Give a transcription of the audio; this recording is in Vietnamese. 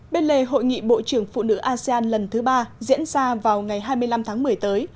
bên lề hội nghị bộ trưởng phụ nữ asean lần thứ ba diễn ra vào ngày hai mươi năm tháng một mươi tới